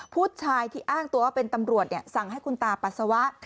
ผู้ชายที่อ้างตัวว่าเป็นตำรวจสั่งให้คุณตาปัสสาวะ